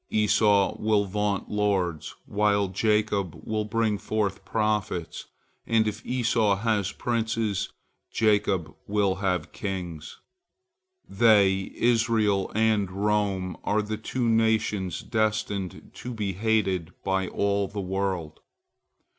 Esau will vaunt lords, while Jacob will bring forth prophets, and if Esau has princes, Jacob will have kings. They, Israel and Rome, are the two nations destined to be hated by all the world.